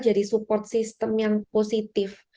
jadi support sistem yang positif